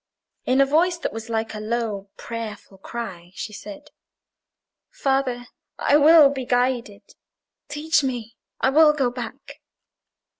In a voice that was like a low, prayerful cry, she said— "Father, I will be guided. Teach me! I will go back."